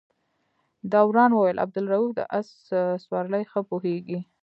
دوران وویل عبدالروف د آس سورلۍ ښه پوهېږي.